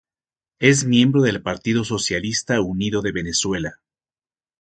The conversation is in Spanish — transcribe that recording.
Es miembro del Partido Socialista Unido de Venezuela.